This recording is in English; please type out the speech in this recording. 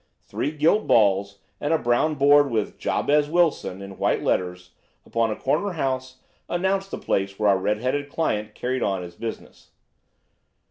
Three gilt balls and a brown board with "JABEZ WILSON" in white letters, upon a corner house, announced the place where our red headed client carried on his business.